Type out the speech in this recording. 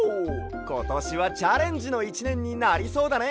ことしはチャレンジの１ねんになりそうだね！